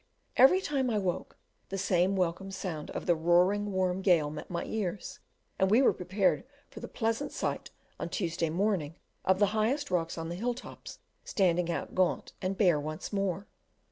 Every time I woke the same welcome sound of the roaring warm gale met my ears; and we were prepared for the pleasant sight, on Tuesday morning, of the highest rocks on the hill tops standing out gaunt and bare once more.